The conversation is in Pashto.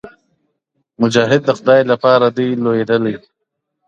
مجاهد د خداى لپاره دى لوېــدلى,